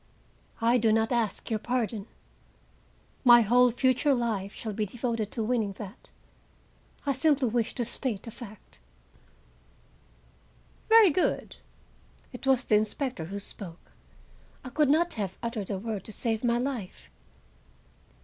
I do not ask your pardon. My whole future life shall be devoted to winning that; I simply wish to state a fact." "Very good!" It was the inspector who spoke; I could not have uttered a word to save my life.